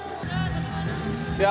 ya atau gimana